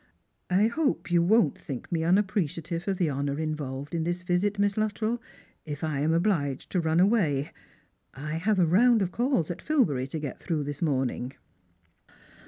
"I hope you won't think me unappreciative of the honour involved in this viSit, Miss Luttrell, if I am obliged to run away. I have a round of calls at Filbury to get through this morning."